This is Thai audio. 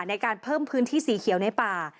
ในการเพิ่มพื้นที่สีเขียวในป่า